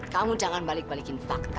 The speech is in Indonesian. kamu jangan balik balikin fakta